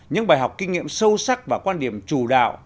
những bài học kinh nghiệm sâu sắc và quan điểm chủ đạo